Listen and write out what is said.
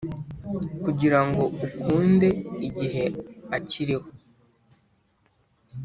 kugirango ukunde igihe akiriho,